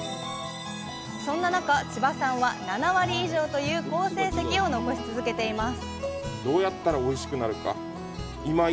そんな中千葉さんは７割以上という好成績を残し続けています